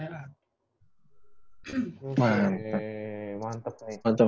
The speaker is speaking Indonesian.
pelatih gue kasih tiga percayaan